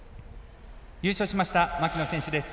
優勝しました、牧野選手です。